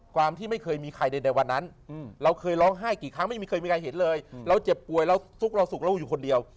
ความที่ไม่เคยมีใครใดวันนั้นเราเคยร้องไห้กี่ครั้งไม่มีใครมีใครเห็นเลยเราเจ็บป่วยเราสุขเราสุขเราอยู่คนเดียว